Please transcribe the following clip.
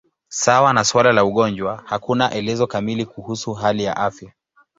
Sawa na suala la ugonjwa, hakuna elezo kamili kuhusu hali ya afya.